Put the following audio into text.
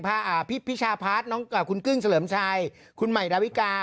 พาอ่าพี่พิชาพัสน้องอ่าคุณกึ้งเสลิมชายคุณใหม่ดาวิกา